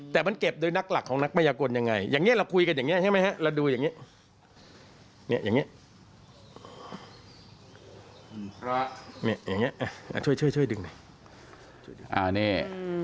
แต่มันเก็บโดยนักหลักของนักพยากลยังไงอย่างนี้เราคุยกันอย่างนี้ใช่ไหมฮะเราดูอย่างนี้อย่างนี้ช่วยดึงหน่อย